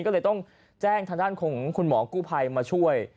ก็เลยต้องแจ้งทางด้านของคุณหมอกู้ภัยมาช่วย